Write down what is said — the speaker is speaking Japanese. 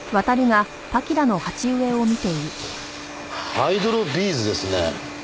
ハイドロビーズですね。